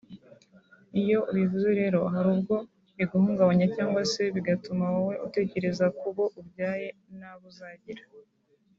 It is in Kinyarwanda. Iyo ubivuze rero hari ubwo biguhungabanya cyangwa se bigatuma wowe utekereza ku bo ubyaye n’abo uzagira